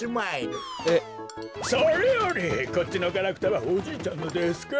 それよりこっちのガラクタはおじいちゃんのですか？